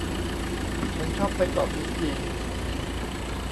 ฉันชอบไปเกาะพีพี